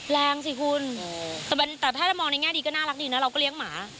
แรงสิคุณแต่ถ้าเรามองในแง่ดีก็น่ารักดีนะเราก็เลี้ยงหมา